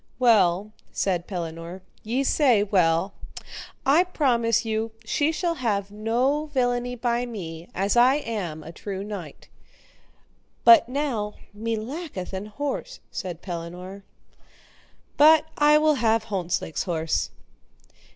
Well, said Pellinore, ye say well; I promise you she shall have no villainy by me, as I am true knight; but now me lacketh an horse, said Pellinore, but I will have Hontzlake's horse.